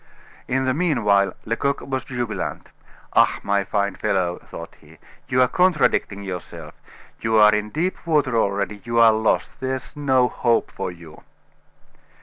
In the mean while, Lecoq was jubilant. "Ah, my fine fellow," thought he, "you are contradicting yourself you are in deep water already you are lost. There's no hope for you."